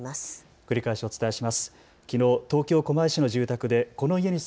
繰り返しお伝えします。